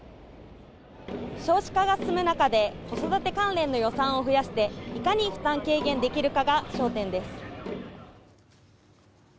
少子化が進む中で子育て関連の予算を増やしていかに負担軽減できるかが焦点です。